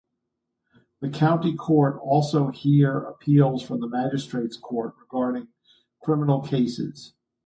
The County Court also hear appeals from the Magistrates' Court regarding criminal cases.